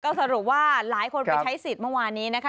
ก็สรุปว่าหลายคนไปใช้สิทธิ์เมื่อวานนี้นะคะ